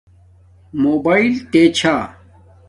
موباݵل تے ثھا